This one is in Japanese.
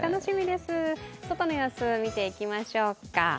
外の様子、見ていきましょうか。